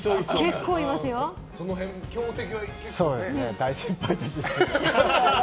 大先輩たちですね。